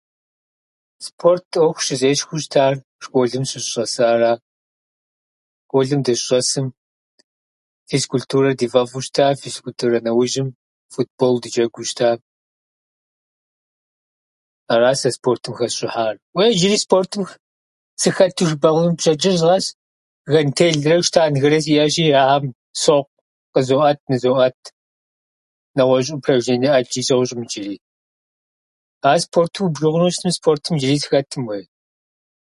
Спорт ӏуэху щызесхуэу щытар школым сыщыщӏэсара. Школым дыщыщӏэсым физкултурэ ди фӏэфу щыта. Физкултурэ нэужьым футбол дыджэгуу щыта. Ара сэ спортым хэсщӏыхьар. Уеи, иджыри спортым х- сыхэту жыпӏэ хъунум. Пщэдджыжь къэс гантелрэ штангэрэ сиӏэщи, ахьэм сокъу, къызоӏэт-нызоӏэт. Нэгъуэщӏ упражненэ ӏэджи сощӏым иджыри. Ар спорту убжу хъуну щытым, спортым иджыри сыхэтым уей.